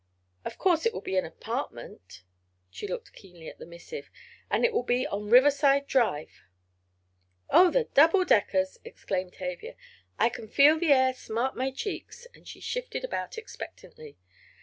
Of course it will be an apartment——" she looked keenly at the missive, "and it will be on Riverside Drive." "Oh, the double deckers!" exclaimed Tavia. "I can feel the air smart my cheeks," and she shifted about expectantly.